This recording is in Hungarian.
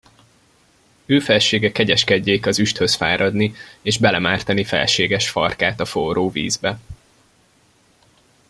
Őfelsége kegyeskedjék az üsthöz fáradni, és belémártani felséges farkát a forró vízbe.